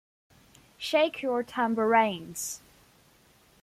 Shake your tambourines!